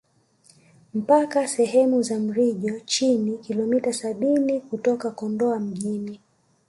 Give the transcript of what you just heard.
Mpaka sehemu za Mrijo Chini kilometa sabini kutoka Kondoa mjini